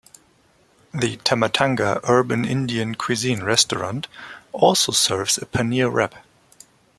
The Tamatanga urban Indian cuisine restaurant also serves a paneer wrap.